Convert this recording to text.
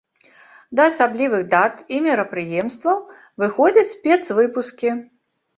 Да асаблівых дат і мерапрыемстваў выходзяць спецвыпускі.